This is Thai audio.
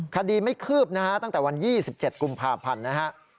คดีไม่คืบนะฮะตั้งแต่วัน๒๗กุมภาพันธ์นะฮะ